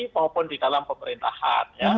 maupun di dalam pemerintahan